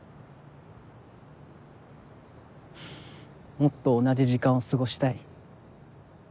もっと同じ時間を過ごしたい。